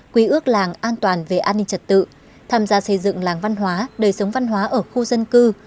quy ước làng an toàn về an ninh trật tự tham gia xây dựng làng văn hóa đời sống văn hóa ở khu dân cư